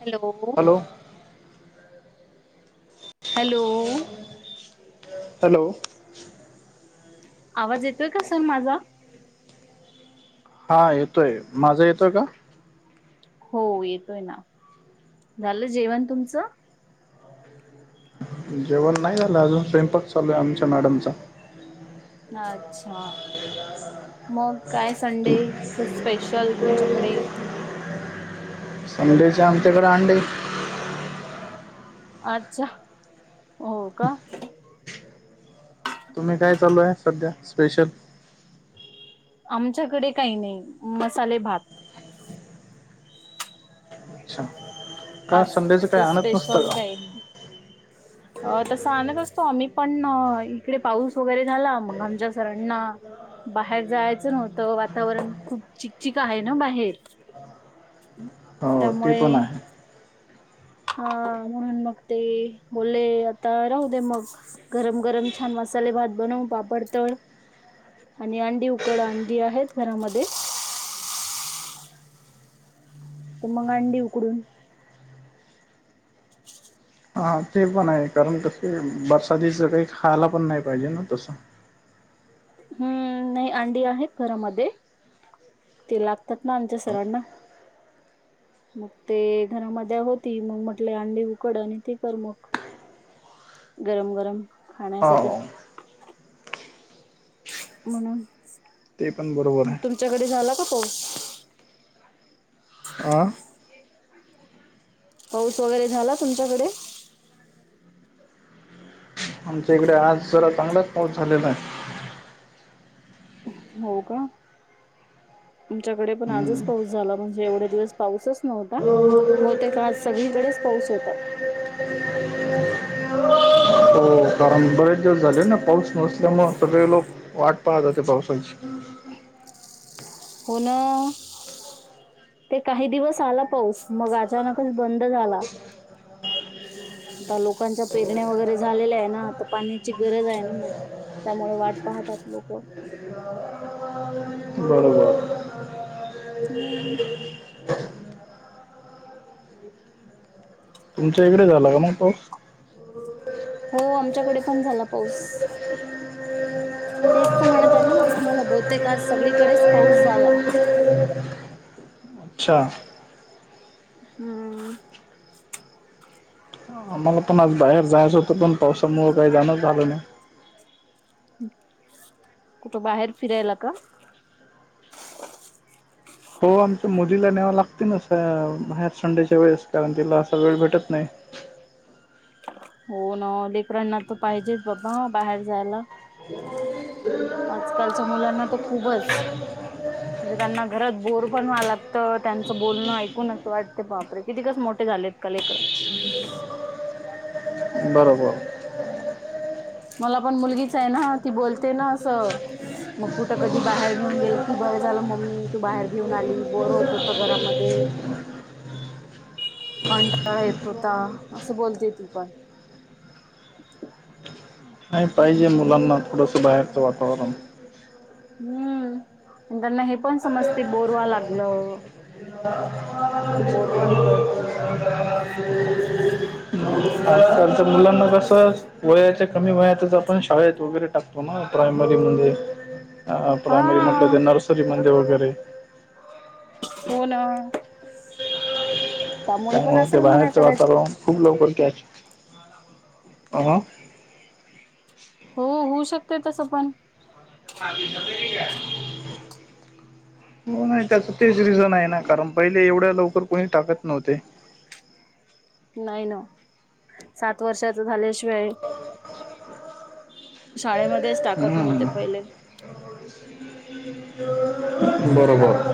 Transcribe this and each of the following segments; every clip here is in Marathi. हॅलो हो हॅलो हॅलो आवाज येतोय का सर माझा हा येतोय माझा येतोय का हो येतोय ना झालं जेवण तुमचं जेवण नाही झालं अजून स्वयंपाक चालू आहे आमच्या मॅडमचा अच्छा मग काय तुम संडे? स्पेशल तुमच्याकडे? संडेच आमच्याकडे अंडे अच्छा हो का तुम्ही काय चालू आहे सध्या स्पेशल? आमच्याकडे काही नाही मसाले भात अच्छा का आज संडेचं काही आणत नसतं स्पेशल का काही नाही अ तसं आणत असतो आम्ही पण इकडे पाऊस वगैरे झाला मग आमच्या सरांना बाहेर जायचं नव्हतं वातावरण खूप चिकचिक आहे ना बाहेर हो ते त्यामुळे पण आहे हा म्हणून मग ते बले आता राहू दे मग गरम गरम छान मसाले भात बनवू पापड तळ आणि अंडी उकड अंडी आहेत घरामध्ये तर मग अंडी उकडून हा ते पण आहे कारण तसं वरसाातचं काही खायला पण नाही पाहिजे ना तसं हम्म नाही अंडी आहेत घरामध्ये ते लागतात ना आमच्या सरांना मग ते घरामध्ये होती मग म्हटले अंडी उकड आणि ती कर मग गरम गरम खाण्यासाठी हो म्हणून ते पण बरोबर आहे त्याच्याकडे झाला का पाऊस अं हाऊस वगैरे झाला तुमच्याकडे? आमच्या इकडे आज जरा चांगलाच पाऊस झालेला आहे हो का आमच्याकडे पण आजच हम्म. पाऊस झाला म्हणजे एवढा दिवस पाऊसच नव्हता बहुते का आज सगळीकडेच पाऊस होता पण बरेच जर झाले ना पाऊस नसल्यामुळं सगळे लोक वाट पाहताते पावसाची हो ना ते काही दिवस आला पाऊस मग अचानकच बंद झाला आता लोकांच्या पेरण्या वगैरे झालेल्या आहे ना तर पाण्याची गरज आहे ना मग त्यामुळे वाट पाहतात लोक बरोबर तुमच्या इकडे झाला का मग पाऊस हो आमच्याकडे पण झाला पाऊस तेच तर म्हणत आहे ना मग तुम्हाला बहुतेय का आज सगळीकडेच पाऊस झालाय अच्छा हम्म आम्हाला पण आज बाहेर जाय अससतो पण पाऊसा मू काय जाण झाल नाही कुठं बाहेर फिरायला का? हो आमच्या मोदीला न्यावं लागते ना ह्यार संडेच्या वेळेस कारण तिला असा वेळ भेटत नाही हो ना लेकराना तर पाहिजेच बाबा बाहेर जायला [inaudible] आजकालच्या मुलांना तर खूपच म्हणजे त्यांना घरात बोर पण वा लागत त्यांचं बोलणं ऐकून असं वाटते पपरे किती कस मोठे झालेत कलेिक बरोबर मला पण मुलगीच आहे ना ती बोलते ना असं मग कुठं कधी बाहेर घेऊन गेलं की बरं झालं मम्मी तू बाहेर घेऊन आली बोर होत होत घरामध्ये [inaudible] कंटाळा येत होता असं बोलते ती पण नाही पाहिजे मुलांना थोडस बाहेरचं वातावरण हम्म आणि त्यांना हे पण समज ते बोरवा लागलं ह बोर पण करते मुलांना कस वयाच्या कमी वयातच आपण शाळेत वगैरे टाकतो ना प्रायमरी मध्ये प्रायमरी म्हटलं हा ते नर्सरीमध्ये वगैरे हो ना पण त्यामुळे ते असेल म्हणा बाहेरच कदाचित वातावरण खूप लवकर क अ हो होऊ शकते तसं पण ह हो नाही त्याचं तेच रिझन आहे ना कारण पहिले एवढ्या लवकर कोणी टाकत नव्हते नाही ना सात वर्षाच झाल्याशिवाय शाळेमध्येच टाकत नव्हते हम्म पहिले बरोबर लेकरांना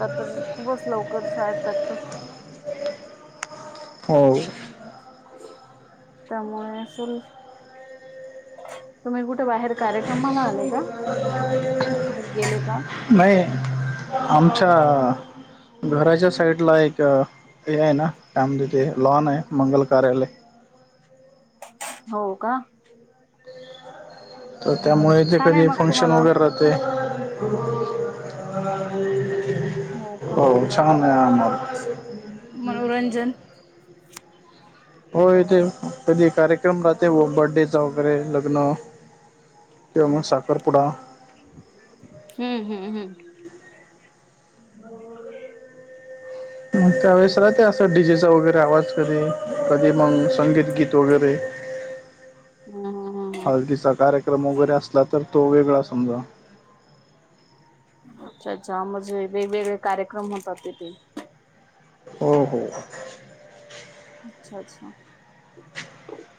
तर खूपच लवकर शाळेत टाकतात हो त्यामुळेमुळे असल तुम्ही कुठे बाहेर कार्यक्रमला आले का े गेले का नाही आमच्या घराच्या साईडला एक हे आहे ना त्यामध्ये ते लॉन आहे मंगल कार्यालय हो का तर त्यामुळे तेे छान आहे कधी मग फंक्शन तुम्हाला वगैरे राह ते हो उचसाहण नाही आमला मनोरंजन हो इथे कधी कार्यक्रम राहते व बर््डेचा वगैरे लग्न किं मग साखरपुडा हम्म हम्म हम्म मं त्यावेळेस राहते असं डी जे चा असा वगैरे आवाज कधी कधी मग संगीत गीत वगैरे हम्म हम्म हम्म हळदीचा कार्यक्रम वगैरे असला तर तो वेगळा समजा अच्छा अच्छा म्हणजे वेगवेगळे कार्यक्रम होतात तिथे हो हो. अच्छा अच्छा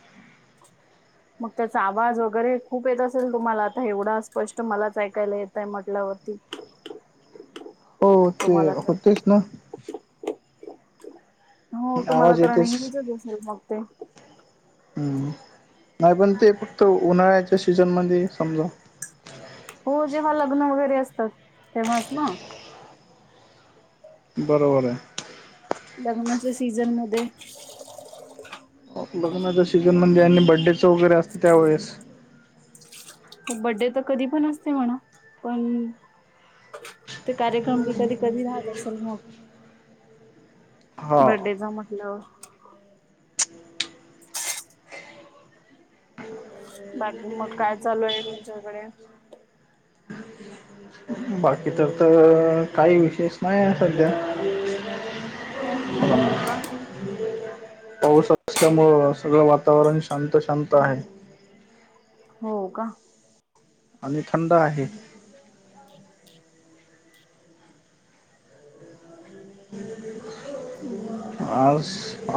[inaudible] मग त्याचा आवाज वगैरे खूप येत असेल तुम्हाला आता एवढा स्पष्ट मलाच ऐकायला येतय म्हटल्यावरती हो ते तुम्हाला तर होतेच ना हो तुम्हाला आवाज तर हा येतेच नेहमीचाच अससे मग ते हूं नाय पण ते फक्त उन्हाळ्याच्या सीजनमध्ये समजा हो जेव्हा लग्न वगैरे असतात तेव्हाच ना बरोबर आहे. लग्नाच्या सीझन मध्ये हो लग्नाच्या सीझजन म्हणजे आणि बड्डे च वगैरे असत त्यावेेळेस बड्डे त कधी पण असते म्हणा पण ते कार्यक्रम बी कधी कधी राहत असेल मग हा बर्थडे चा म्हटल्यावर बाकी मग काय चालू आहे तुमच्याकडे बाकीचं तर काही विशेष नाही सध्या हो का पाऊस असल्यामुळं सगळं वातावरण शांत शांत हाय. हो का. आणि थंड आहे. [unintelligible] [unintelligible] आज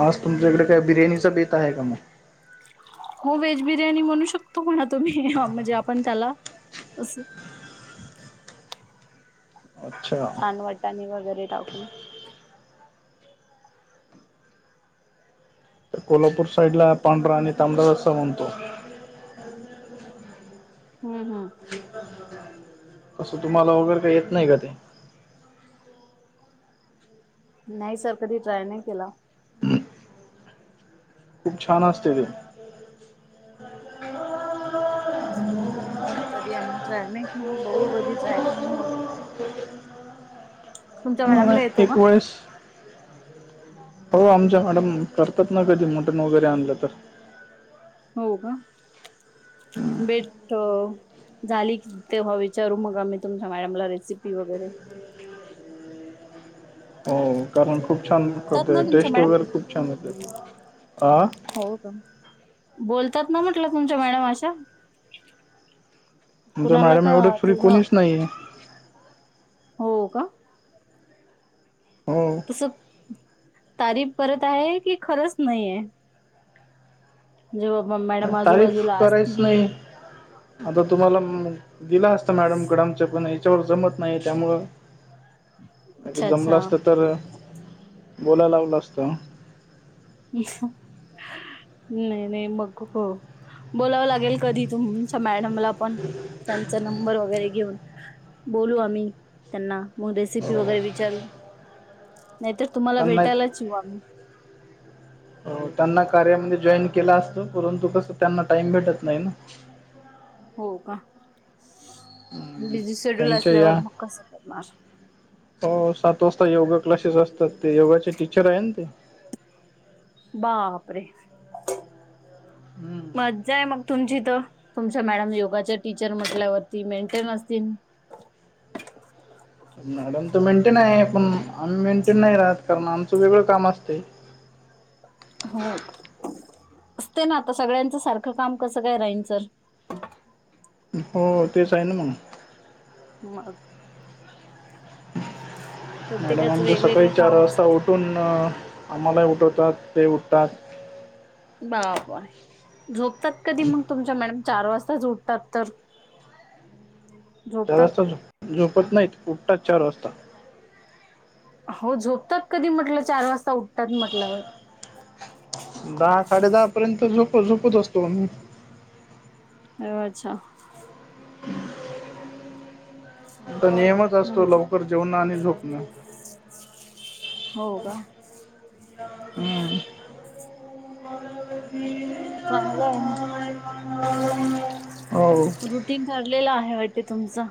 आज तुमच्या कडे काय बिर्याणीचा बेत आहे का मग हो व्हेज बिर्याणी म्हणू शकतो म्हणा तुम्ही म्हणजे आपण त्याला अस अच्छा छान वटाने वगैरे टाकून त्या कोल्हापूर साईड ला पांढरा आणि तांबडा रस्सा बणतो हा हा तसं तुम्हाला वगैर काय येत नाही का ते नाही सर कधी ट्राय नाही केला. खूप छान असतय ते [inaudible] म कधी आम्ही ट्राय नाय केला बघू कधी ट्राय करुन मग तुमच्या मॅडमला येतो का एकवेळेस हो आमच्या मॅडम करतात ना कधी मटन वगैरे आणलं तर हो का बेत झाली क तेव्हा विचारू मग आम्ही तुमच्या मॅडमला रेसिपी वगैरे हो कारण खूप छान तात करते ना तुमच्या टेस्ट मॅडम वगैरे खूप छान होते ती हा हो का बोलतात ना म्हटलं तुमच्या मॅडम अशा तुमच्या कुणाला मॅडम का एवढे फ्री तेवढं कोणीच नाही ना हो का हो तस तारीफ करत आहे की खरंच नाहीये. जे बा मॅडम तारीफ आजूबाजूला करायच असतीनं नाही आता तुम्हाला दिला असता मॅडमकड आमच्या फोन याच्यावर जमत नाही त्यामुंळ कधी अच्छा जमलं अच्छा असत तर बोलायला लावलं असतं. नाय नाय मग खूप बोलावं लागेल कधी तुमच्या मॅडमला पण त्यांचा नंबर वगैरे घेऊन बोलू आम्ही त्यांना मग रेसिपी वगैरे विचारू नाहीतर तुम्हाला त्यांना एक भेटायलाच येिऊ आम्ही हो त्यांना कार्यामध्ये जॉईन केला असतं परंतु कसं त्यांना टाइम भेटत नाही ना हो का हम्म. बिझी शेड्यूल त्यांच्या असल्यावर या मग कस करणार हो सात वाजता योगा क्लासेस असतात ते योगाचे टीचर आहे ना ते बापरे म हम्म जय मग तुमची तर तुमच्या मॅडम योगाच्या टीचर म्हटल्यावरती मेंटेन असतील मॅडम तर मेंटेन आहे पण आम्ही मेंटेन नाही राहत कारण आमचं वेगळं काम असते हो असते ना आता सगळ्यांच सारखं काम कसं काय राहीनचर हो तेच आहे ना म्हणून मग मॅडम प्रत्येकाच आमच्या सकाळी वेगवेगळं चार काम वाजता असते उठून आम्हाला उठवतात ते उठतात बाप हाय झोपतात कधी मग तुमच्या मॅडम चार वाजताचं उटतात तर चार झोपतात वाजता झ झोपत नाहीत उठतात चार वाजता हो झोपतात कधी म्हटलं चार वाजता उठतात म्हटल्यावर दहा साडे दहा पर्यंत झोप झोपत असतो मही हो अच्छा [inaudible] आता नियमच असतो म्हणजे लवकर जेवणं आणि झोपणं हो का हम्म चालं आहे म हो रुटीन ठरलेलं आहे वाटते तुमचं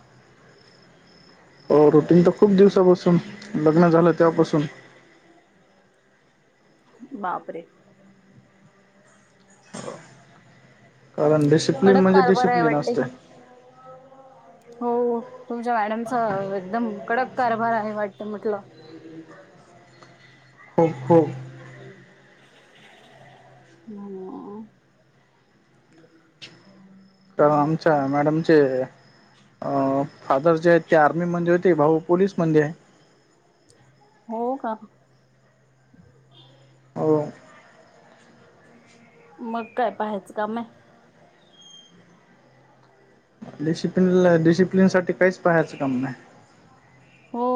रुटीन तर खूप दिवसापासून लग्न झालं तेव्हापासून बापरे कारण डिसिप्लिन कडक म्हणजे कारभार आहे डिसिप्लन वाटते. असते हो तुमच्या मॅडमचा एकदम कडक कारभार आहे वाटत म्हटलं हो हो हम्म तर आमच्या मॅडमचे अ फादर जे आहेत ते आर्मीमध्ये होते भाऊ पोलीस मध्ये आहे हो का हो मग काय पाहायचं काम आहे डिसिप्लिन डिसिप्लिनसाठी काहिच पाहायचं काम नाही हो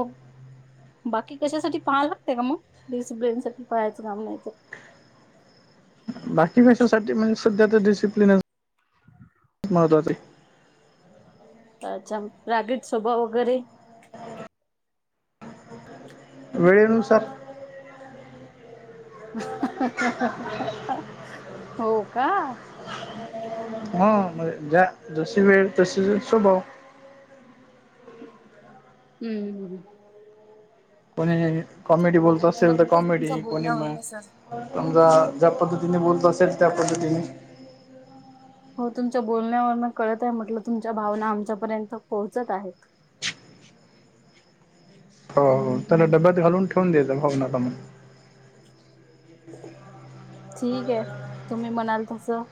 बाकी कशासाठी पाहाय लागते का मग डिसिप्लन साठी पहायचं काम नाही तर बाकी भाषांसाठी म्हणजे सध्या तर डिसिप्लिन महत्वाचं आहे अच्छा रागीट स्वभाव वगैरे वेळेनुसार हो का हा म्हणजे ज्या जशी वेळ तशी स्वभाव हम्म कोणी कॉमेडी बोलत असतो कळतंय तुमच्या बोलण्यावरून सर समजा ज्या पद्धतीने बोलत असेल त्या पद्धतीने हो तुमच्या बोलण्यावर म कळत आहे म्हटलं तुमच्या भावना आमच्यापर्यंत पोहोचत आहेत हो हो त्यांला डब्यात घालून ठेवून द्याचं भाव नाका मग [inaudible] ठीक आहे तुम्ही म्हणाल तसं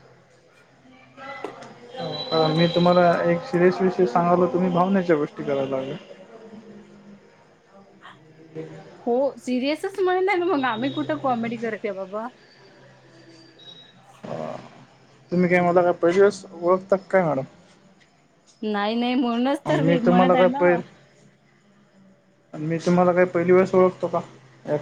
मी तुम्हाला एक सिरियस विषय सांगाय लागलो. तुम्ही भावनेच्या गोष्टी करायला लागले. [inaudible] हो. सिरियसच म्हणत [unintelligible] मी कुठं कॉमेडी करत आहे बाबा. तुम्ही काय मला का पहिल्या पासून ओळखतात की काय मॅडम? नाही. नाही. म्हणूनच आणि तर मी तुम्हाला म्हणत आहे काय ना. पहि आणि मी तुम्हाला काय पहिलीपासून ओळखतो का? या